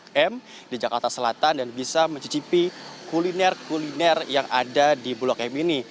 di jalan mahakam yang berada di blok m di jakarta selatan dan bisa mencicipi kuliner kuliner yang ada di blok m ini